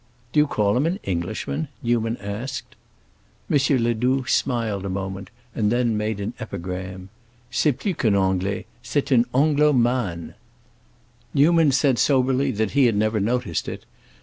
"Do you call him an Englishman?" Newman asked. M. Ledoux smiled a moment and then made an epigram. "C'est plus qu'un Anglais—c'est un Anglomane!" Newman said soberly that he had never noticed it; and M.